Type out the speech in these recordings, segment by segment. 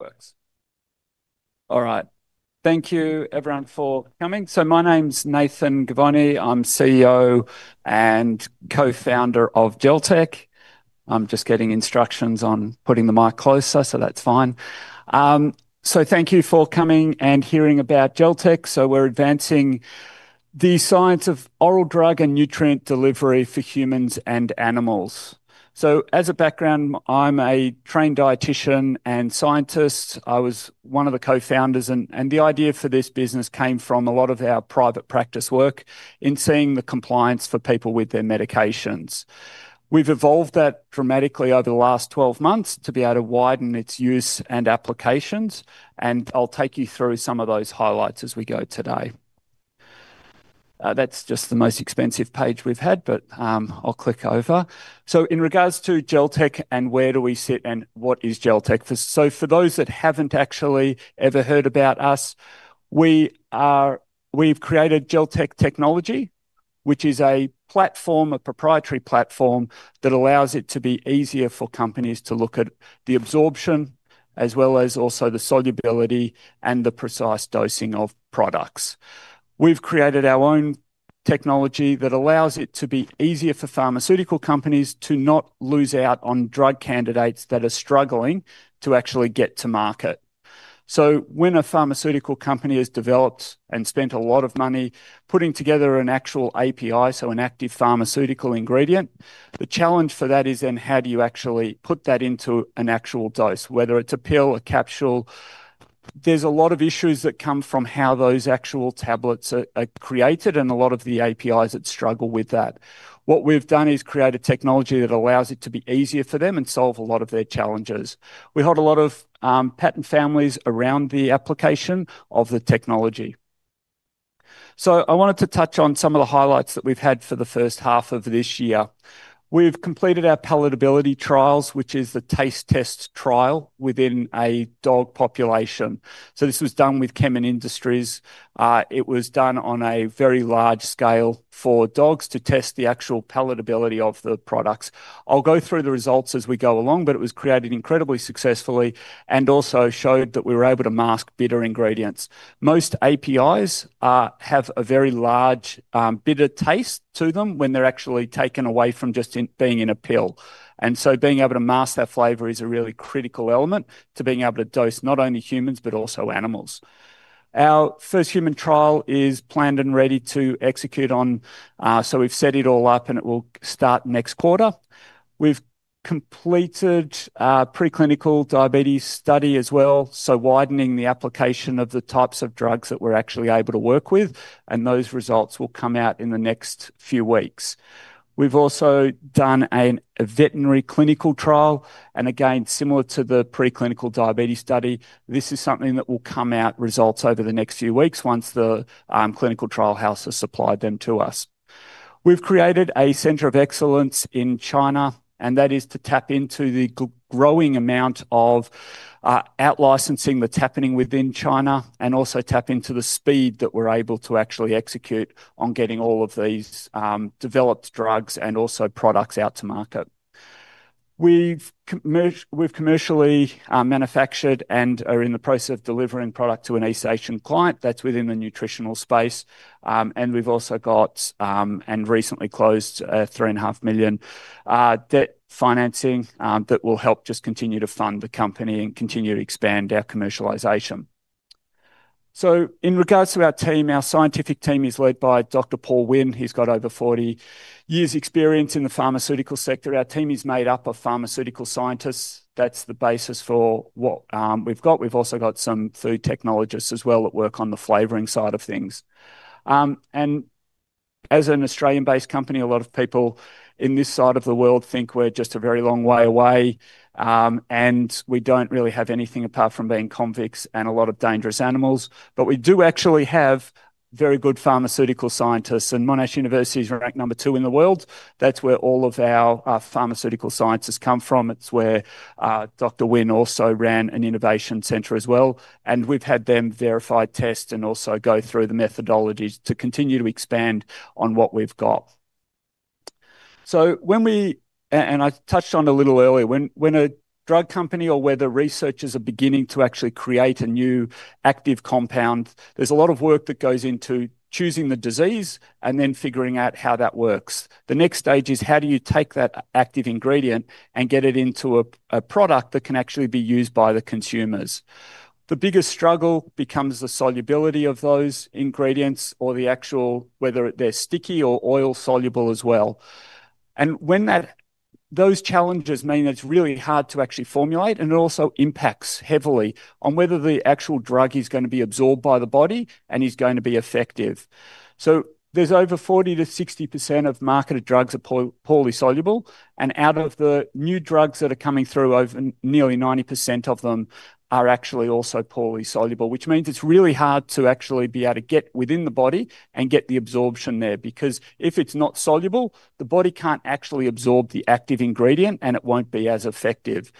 Works. All right. Thank you everyone for coming. My name's Nathan Givoni. I'm CEO and co-founder of Gelteq. I'm just getting instructions on putting the mic closer, that's fine. Thank you for coming and hearing about Gelteq. We're advancing the science of oral drug and nutrient delivery for humans and animals. As a background, I'm a trained dietician and scientist. I was one of the co-founders, and the idea for this business came from a lot of our private practice work in seeing the compliance for people with their medications. We've evolved that dramatically over the last 12 months to be able to widen its use and applications, and I'll take you through some of those highlights as we go today. That's just the most expansive page we've had, I'll click over. In regards to Gelteq and where do we sit and what is Gelteq? For those that haven't actually ever heard about us, we've created Gelteq technology, which is a platform, a proprietary platform, that allows it to be easier for companies to look at the absorption as well as also the solubility and the precise dosing of products. We've created our own technology that allows it to be easier for pharmaceutical companies to not lose out on drug candidates that are struggling to actually get to market. When a pharmaceutical company has developed and spent a lot of money putting together an actual API, an active pharmaceutical ingredient, the challenge for that is how do you actually put that into an actual dose, whether it's a pill, a capsule. There's a lot of issues that come from how those actual tablets are created, and a lot of the APIs that struggle with that. What we've done is create a technology that allows it to be easier for them and solve a lot of their challenges. We hold a lot of patent families around the application of the technology. I wanted to touch on some of the highlights that we've had for the first half of this year. We've completed our palatability trials, which is the taste test trial within a dog population. This was done with Kemin Industries. It was done on a very large scale for dogs to test the actual palatability of the products. I'll go through the results as we go along, it was created incredibly successfully and also showed that we were able to mask bitter ingredients. Most APIs have a very large bitter taste to them when they're actually taken away from just being in a pill. Being able to mask that flavor is a really critical element to being able to dose not only humans, but also animals. Our first human trial is planned and ready to execute on. We've set it all up and it will start next quarter. We've completed a preclinical diabetes study as well, widening the application of the types of drugs that we're actually able to work with, and those results will come out in the next few weeks. We've also done a veterinary clinical trial, and again, similar to the preclinical diabetes study, this is something that will come out results over the next few weeks once the clinical trial house has supplied them to us. We've created a center of excellence in China, that is to tap into the growing amount of out-licensing that's happening within China and also tap into the speed that we're able to actually execute on getting all of these developed drugs and also products out to market. We've commercially manufactured and are in the process of delivering product to an East Asian client that's within the nutritional space. We've also got, and recently closed, an 3.5 Million debt financing, that will help just continue to fund the company and continue to expand our commercialization. In regards to our team, our scientific team is led by Dr. Paul Wynne. He's got over 40 years experience in the pharmaceutical sector. Our team is made up of pharmaceutical scientists. That's the basis for what we've got. We've also got some food technologists as well that work on the flavoring side of things. As an Australian-based company, a lot of people in this side of the world think we're just a very long way away, and we don't really have anything apart from being convicts and a lot of dangerous animals. We do actually have very good pharmaceutical scientists, and Monash University is ranked number two in the world. That's where all of our pharmaceutical scientists come from. It's where Dr. Wynne also ran an innovation center as well, and we've had them verify tests and also go through the methodologies to continue to expand on what we've got. I touched on a little earlier, when a drug company or where the researchers are beginning to actually create a new active compound, there's a lot of work that goes into choosing the disease and then figuring out how that works. The next stage is how do you take that active ingredient and get it into a product that can actually be used by the consumers? The biggest struggle becomes the solubility of those ingredients or the actual, whether they're sticky or oil soluble as well. Those challenges mean it's really hard to actually formulate and it also impacts heavily on whether the actual drug is going to be absorbed by the body and is going to be effective. There's over 40%-60% of marketed drugs are poorly soluble, out of the new drugs that are coming through, over nearly 90% of them are actually also poorly soluble, which means it's really hard to actually be able to get within the body and get the absorption there, because if it's not soluble, the body can't actually absorb the active ingredient and it won't be as effective.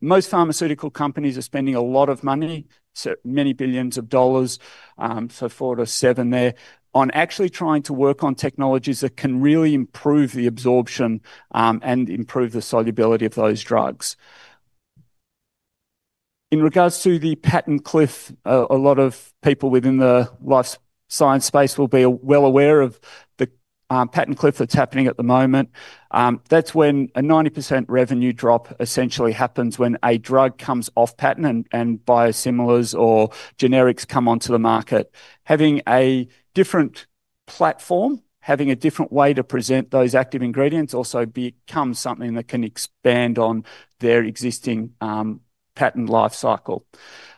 Most pharmaceutical companies are spending a lot of money, so many billions of dollars, 4 billion-7 billion there, on actually trying to work on technologies that can really improve the absorption, and improve the solubility of those drugs. In regards to the patent cliff, a lot of people within the life science space will be well aware of the patent cliff that's happening at the moment. That's when a 90% revenue drop essentially happens when a drug comes off patent and biosimilars or generics come onto the market. Having a different platform, having a different way to present those active ingredients also becomes something that can expand on their existing patent life cycle.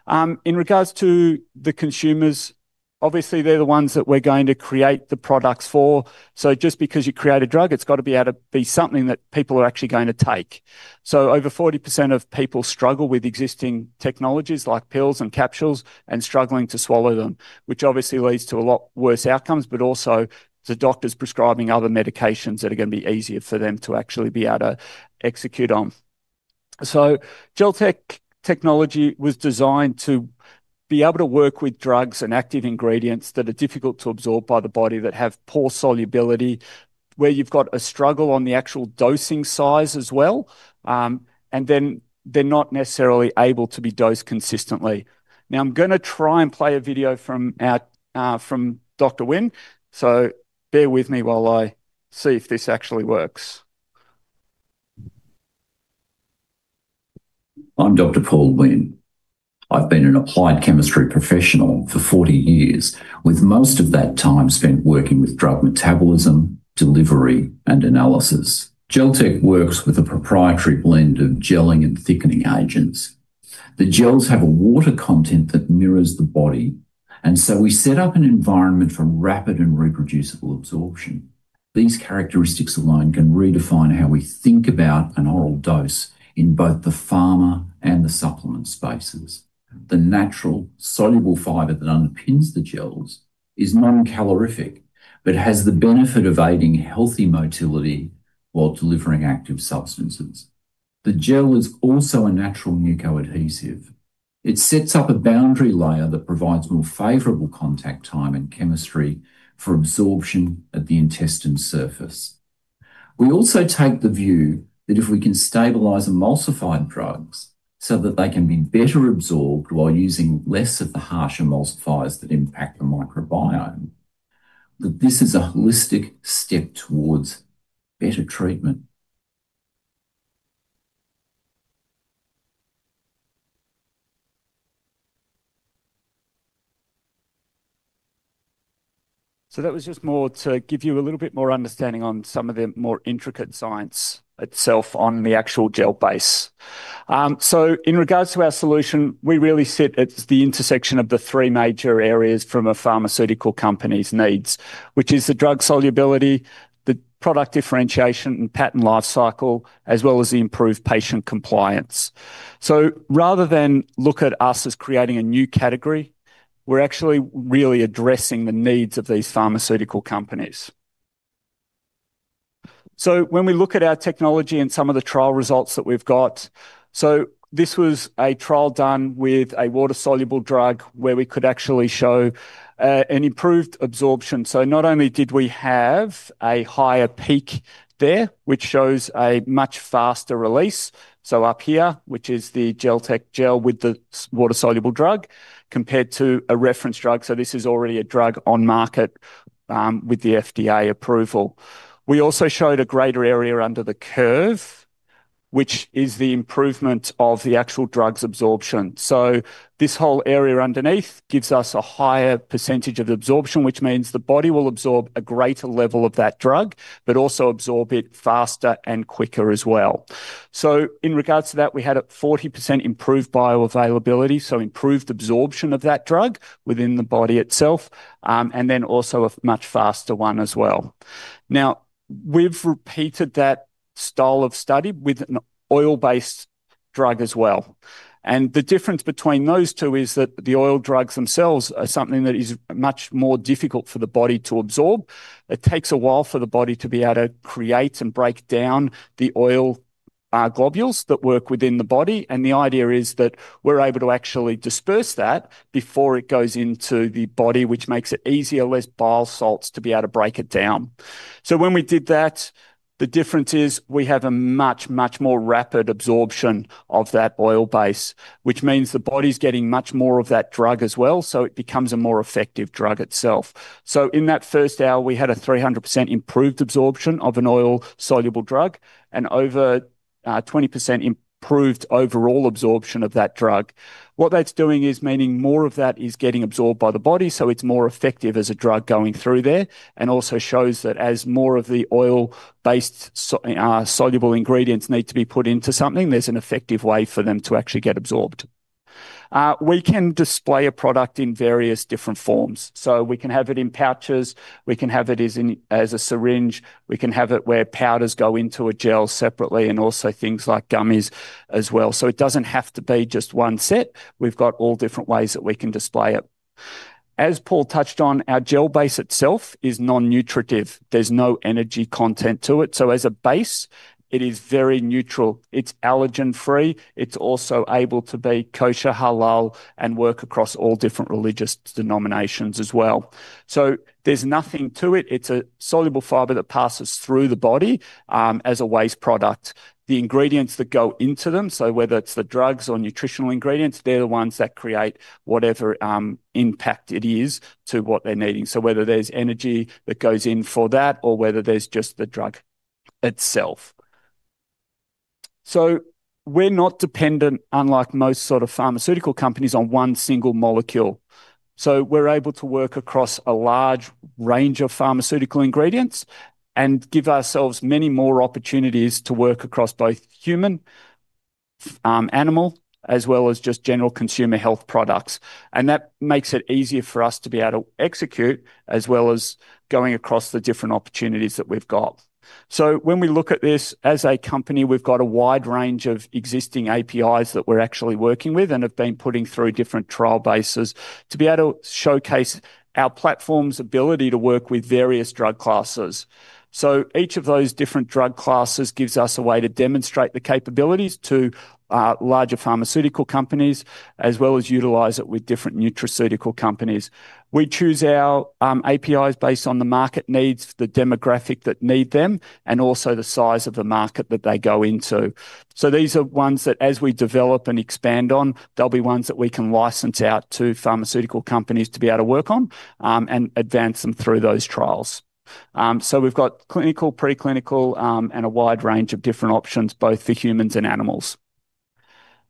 In regards to the consumers, obviously, they're the ones that we're going to create the products for. Just because you create a drug, it's got to be able to be something that people are actually going to take. Over 40% of people struggle with existing technologies like pills and capsules and struggling to swallow them, which obviously leads to a lot worse outcomes, but also to doctors prescribing other medications that are going to be easier for them to actually be able to execute on. Gelteq technology was designed to be able to work with drugs and active ingredients that are difficult to absorb by the body, that have poor solubility, where you've got a struggle on the actual dosing size as well, and then they're not necessarily able to be dosed consistently. I'm going to try and play a video from Dr Wynne, so bear with me while I see if this actually works. I'm Dr Paul Wynne. I've been an applied chemistry professional for 40 years, with most of that time spent working with drug metabolism, delivery, and analysis. Gelteq works with a proprietary blend of gelling and thickening agents. The gels have a water content that mirrors the body, and so we set up an environment for rapid and reproducible absorption. These characteristics alone can redefine how we think about an oral dose in both the pharma and the supplement spaces. The natural soluble fiber that underpins the gels is non-calorific, but has the benefit of aiding healthy motility while delivering active substances. The gel is also a natural mucoadhesive. It sets up a boundary layer that provides more favorable contact time and chemistry for absorption at the intestine surface. We also take the view that if we can stabilize emulsified drugs so that they can be better absorbed while using less of the harsh emulsifiers that impact the microbiome, that this is a holistic step towards better treatment. That was just more to give you a little bit more understanding on some of the more intricate science itself on the actual gel base. In regards to our solution, we really sit at the intersection of the three major areas from a pharmaceutical company's needs, which is the drug solubility, the product differentiation, and patent life cycle, as well as the improved patient compliance. Rather than look at us as creating a new category, we're actually really addressing the needs of these pharmaceutical companies. When we look at our technology and some of the trial results that we've got, this was a trial done with a water-soluble drug where we could actually show an improved absorption. Not only did we have a higher peak there, which shows a much faster release, so up here, which is the Gelteq gel with the water-soluble drug, compared to a reference drug. This is already a drug on market with the FDA approval. We also showed a greater area under the curve, which is the improvement of the actual drug's absorption. This whole area underneath gives us a higher percentage of absorption, which means the body will absorb a greater level of that drug, but also absorb it faster and quicker as well. In regards to that, we had a 40% improved bioavailability, improved absorption of that drug within the body itself, and then also a much faster one as well. Now, we've repeated that style of study with an oil-based drug as well, and the difference between those two is that the oil drugs themselves are something that is much more difficult for the body to absorb. It takes a while for the body to be able to create and break down the oil globules that work within the body, and the idea is that we're able to actually disperse that before it goes into the body, which makes it easier, less bile salts to be able to break it down. When we did that, the difference is we have a much more rapid absorption of that oil base, which means the body's getting much more of that drug as well, so it becomes a more effective drug itself. In that first hour, we had a 300% improved absorption of an oil-soluble drug and over 20% improved overall absorption of that drug. What that's doing is meaning more of that is getting absorbed by the body, so it's more effective as a drug going through there, and also shows that as more of the oil-based soluble ingredients need to be put into something, there's an effective way for them to actually get absorbed. We can display a product in various different forms. We can have it in pouches, we can have it as a syringe, we can have it where powders go into a gel separately, and also things like gummies as well. It doesn't have to be just one set. We've got all different ways that we can display it. As Paul touched on, our gel base itself is non-nutritive. There's no energy content to it. As a base, it is very neutral. It's allergen-free. It's also able to be kosher, halal, and work across all different religious denominations as well. There's nothing to it. It's a soluble fiber that passes through the body as a waste product. The ingredients that go into them, whether it's the drugs or nutritional ingredients, they're the ones that create whatever impact it is to what they're needing. Whether there's energy that goes in for that or whether there's just the drug itself. We're not dependent, unlike most sort of pharmaceutical companies, on one single molecule. We're able to work across a large range of pharmaceutical ingredients and give ourselves many more opportunities to work across both human, animal, as well as just general consumer health products. That makes it easier for us to be able to execute as well as going across the different opportunities that we've got. When we look at this as a company, we've got a wide range of existing APIs that we're actually working with and have been putting through different trial bases to be able to showcase our platform's ability to work with various drug classes. Each of those different drug classes gives us a way to demonstrate the capabilities to larger pharmaceutical companies, as well as utilize it with different nutraceutical companies. We choose our APIs based on the market needs, the demographic that need them, and also the size of the market that they go into. These are ones that as we develop and expand on, they'll be ones that we can license out to pharmaceutical companies to be able to work on, and advance them through those trials. We've got clinical, preclinical, and a wide range of different options, both for humans and animals.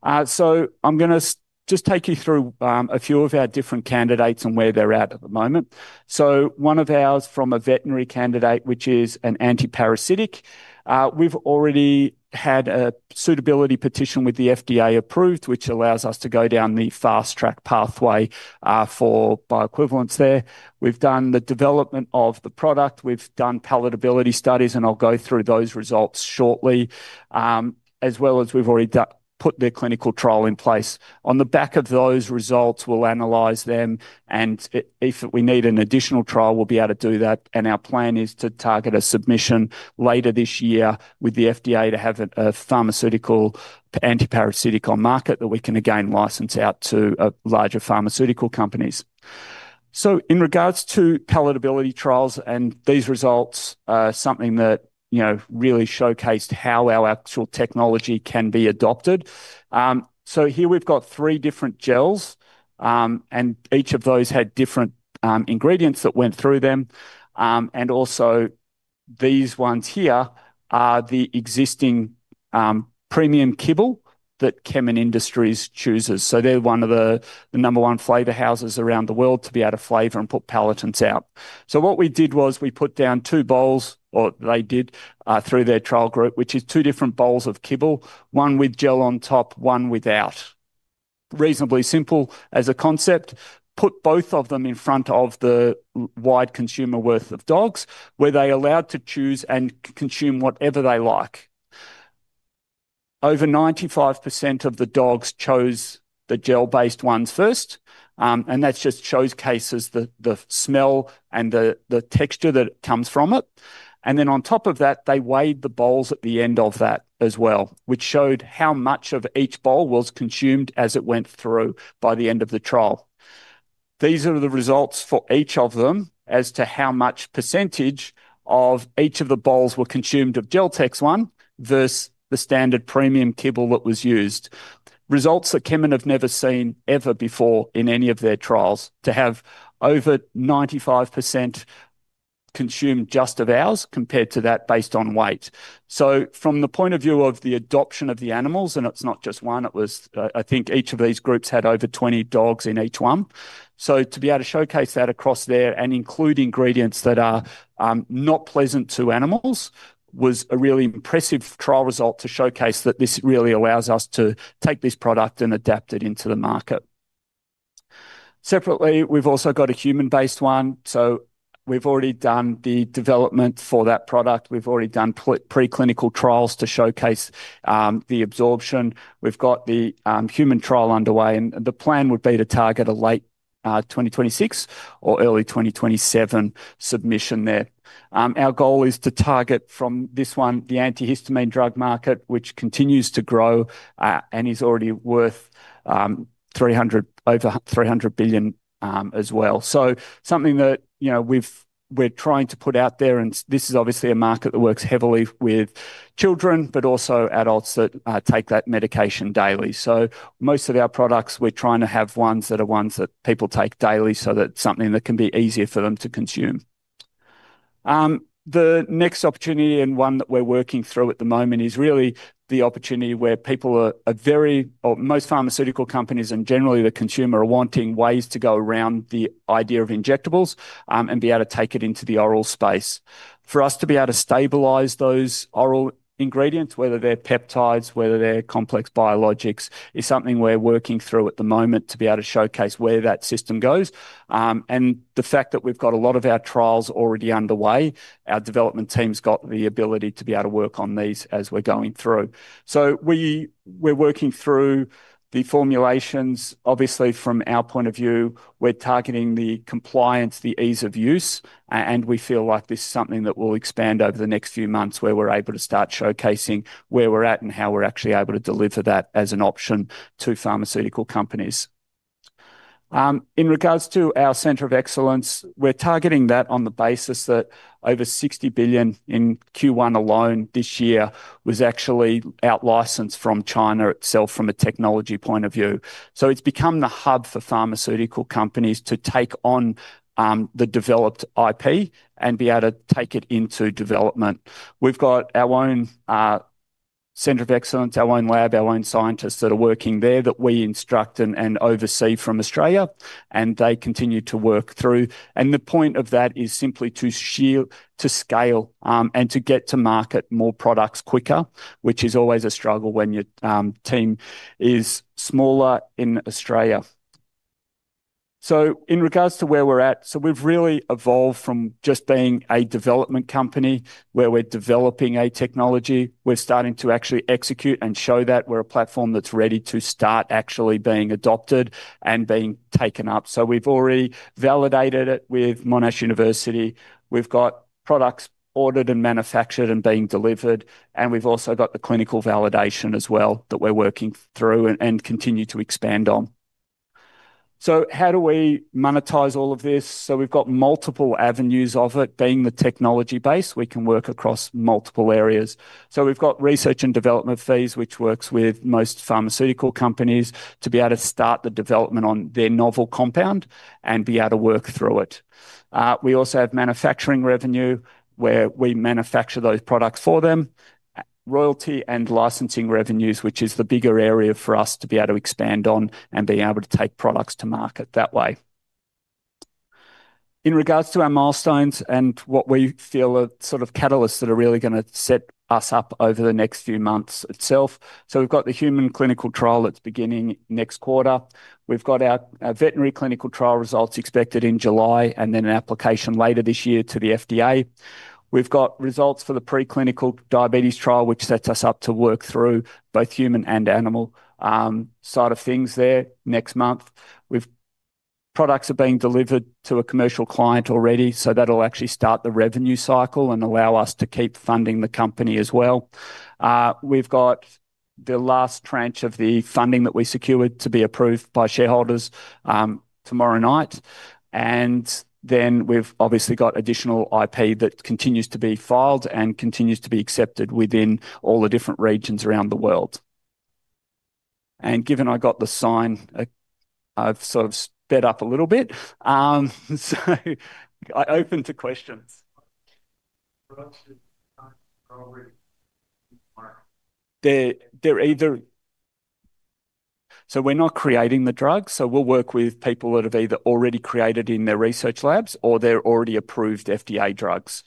I'm going to just take you through a few of our different candidates and where they're at at the moment. One of ours from a veterinary candidate, which is an antiparasitic. We've already had a suitability petition with the FDA approved, which allows us to go down the fast track pathway for bioequivalence there. We've done the development of the product. We've done palatability studies, and I'll go through those results shortly. As well as we've already put their clinical trial in place. On the back of those results, we'll analyze them, and if we need an additional trial, we'll be able to do that. Our plan is to target a submission later this year with the FDA to have a pharmaceutical antiparasitic on market that we can again license out to larger pharmaceutical companies. In regards to palatability trials and these results are something that really showcased how our actual technology can be adopted. Here we've got three different gels, and each of those had different ingredients that went through them. Also these ones here are the existing premium kibble that Kemin Industries chooses. They're one of the number one flavor houses around the world to be able to flavor and put palatants out. What we did was we put down two bowls, or they did, through their trial group, which is two different bowls of kibble, one with gel on top, one without. Reasonably simple as a concept. Put both of them in front of the wide consumer worth of dogs, where they're allowed to choose and consume whatever they like. Over 95% of the dogs chose the gel-based ones first. That just showcases the smell and the texture that comes from it. Then on top of that, they weighed the bowls at the end of that as well, which showed how much of each bowl was consumed as it went through by the end of the trial. These are the results for each of them as to how much percentage of each of the bowls were consumed of Gelteq's one versus the standard premium kibble that was used. Results that Kemin have never seen ever before in any of their trials to have over 95% consumed just of ours compared to that based on weight. From the point of view of the adoption of the animals, and it's not just one, it was, I think each of these groups had over 20 dogs in each one. To be able to showcase that across there and include ingredients that are not pleasant to animals was a really impressive trial result to showcase that this really allows us to take this product and adapt it into the market. Separately, we've also got a human-based one. We've already done the development for that product. We've already done preclinical trials to showcase the absorption. We've got the human trial underway, and the plan would be to target a late 2026 or early 2027 submission there. Our goal is to target from this one, the antihistamine drug market, which continues to grow, and is already worth over 300 billion as well. Something that we're trying to put out there, and this is obviously a market that works heavily with children, but also adults that take that medication daily. Most of our products, we're trying to have ones that are ones that people take daily so that something that can be easier for them to consume. The next opportunity and one that we're working through at the moment is really the opportunity where people are at most pharmaceutical companies and generally the consumer are wanting ways to go around the idea of injectables, and be able to take it into the oral space. For us to be able to stabilize those oral ingredients, whether they're peptides, whether they're complex biologics, is something we're working through at the moment to be able to showcase where that system goes. The fact that we've got a lot of our trials already underway, our development team's got the ability to be able to work on these as we're going through. We're working through the formulations. Obviously, from our point of view, we're targeting the compliance, the ease of use, and we feel like this is something that will expand over the next few months where we're able to start showcasing where we're at and how we're actually able to deliver that as an option to pharmaceutical companies. In regards to our center of excellence, we're targeting that on the basis that over 60 billion in Q1 alone this year was actually out licensed from China itself from a technology point of view. It's become the hub for pharmaceutical companies to take on the developed IP and be able to take it into development. We've got our own center of excellence, our own lab, our own scientists that are working there that we instruct and oversee from Australia, and they continue to work through. The point of that is simply to scale and to get to market more products quicker, which is always a struggle when your team is smaller in Australia. In regards to where we're at, we've really evolved from just being a development company where we're developing a technology. We're starting to actually execute and show that we're a platform that's ready to start actually being adopted and being taken up. We've already validated it with Monash University. We've got products ordered and manufactured and being delivered, and we've also got the clinical validation as well that we're working through and continue to expand on. How do we monetize all of this? We've got multiple avenues of it. Being the technology base, we can work across multiple areas. We've got research and development fees, which works with most pharmaceutical companies to be able to start the development on their novel compound and be able to work through it. We also have manufacturing revenue, where we manufacture those products for them. Royalty and licensing revenues, which is the bigger area for us to be able to expand on and be able to take products to market that way. In regards to our milestones and what we feel are sort of catalysts that are really going to set us up over the next few months itself, we've got the human clinical trial that's beginning next quarter. We've got our veterinary clinical trial results expected in July, and then an application later this year to the FDA. We've got results for the preclinical diabetes trial, which sets us up to work through both human and animal side of things there next month. Products are being delivered to a commercial client already, that'll actually start the revenue cycle and allow us to keep funding the company as well. We've got the last tranche of the funding that we secured to be approved by shareholders tomorrow night, we've obviously got additional IP that continues to be filed and continues to be accepted within all the different regions around the world. Given I got the sign, I've sort of sped up a little bit. I open to questions. Drugs that are not already in market. We're not creating the drugs. We'll work with people that have either already created in their research labs or they're already approved FDA drugs.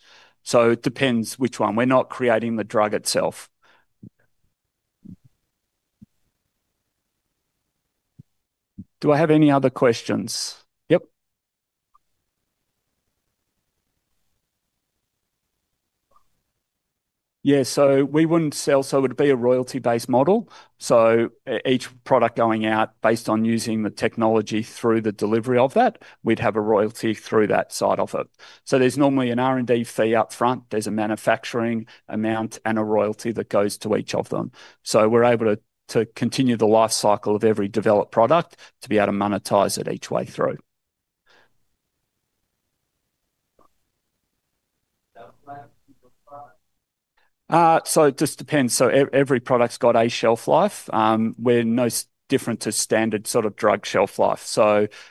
It depends which one. We're not creating the drug itself. Do I have any other questions? Yep. Yeah. We wouldn't sell. It'd be a royalty-based model. Each product going out based on using the technology through the delivery of that, we'd have a royalty through that side of it. There's normally an R&D fee up front, there's a manufacturing amount, and a royalty that goes to each of them. We're able to continue the life cycle of every developed product to be able to monetize it each way through the life of the product. It just depends. Every product's got a shelf life. We're no different to standard sort of drug shelf life.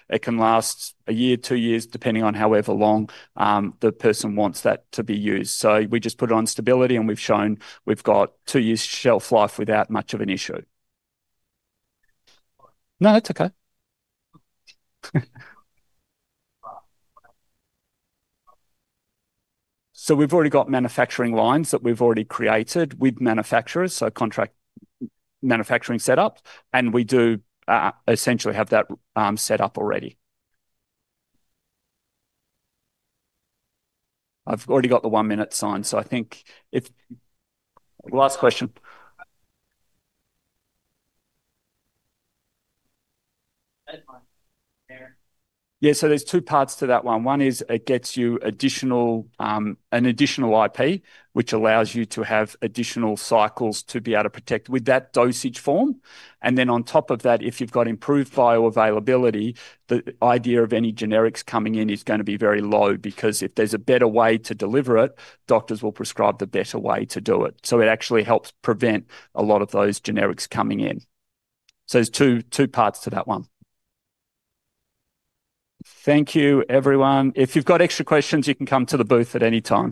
It can last a year, two years, depending on however long the person wants that to be used. We just put it on stability, and we've shown we've got two years shelf life without much of an issue. No, it's okay. We've already got manufacturing lines that we've already created with manufacturers, so contract manufacturing setup. We do essentially have that set up already. I've already got the one-minute sign. I think it's last question. That one there. Yeah. There's two parts to that one. One is it gets you an additional IP, which allows you to have additional cycles to be able to protect with that dosage form. On top of that, if you've got improved bioavailability, the idea of any generics coming in is going to be very low because if there's a better way to deliver it, doctors will prescribe the better way to do it. It actually helps prevent a lot of those generics coming in. There's two parts to that one. Thank you everyone. If you've got extra questions, you can come to the booth at any time.